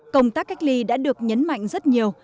công tác cách ly đã được nhấn mạnh rất nhiều